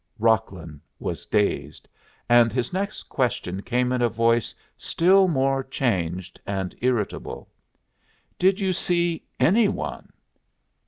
Rocklin was dazed, and his next question came in a voice still more changed and irritable. "Did you see any one?"